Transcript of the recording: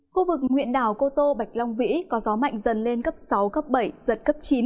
khu vực huyện đảo cô tô bạch long vĩ có gió mạnh dần lên cấp sáu cấp bảy giật cấp chín